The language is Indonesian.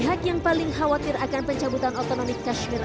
pihak yang paling khawatir akan pencabutan otonomik kashmir